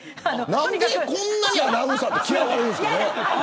何でこんなにアナウンサーは嫌われるんですかね。